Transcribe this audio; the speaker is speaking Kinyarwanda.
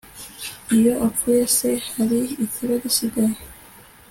iyo apfuye se, hari ikiba gisigaye